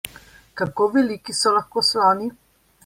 Kako veliki so lahko sloni?